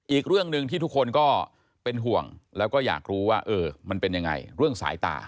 อีกเรื่องหนึ่งที่ทุกคนก็เป็นห่วงแล้วก็อยากรู้ว่าเออมันเป็นยังไงเรื่องสายตา